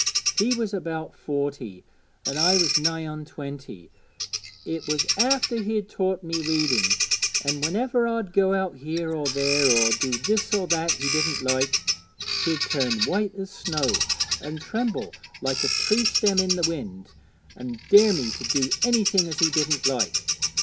He was about forty, an' I was nigh on twenty; it was after he'd taught me reading, an' whenever I'd go out here or there, or do this or that he didn't like, he'd turn as white as snow, an' tremble like a tree stem i' the wind, an' dare me to do anything as he didn't like.